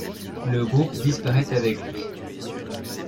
Le groupe disparaît avec lui.